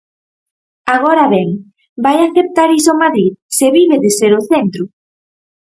Agora ben, vai aceptar iso Madrid, se vive de ser o centro?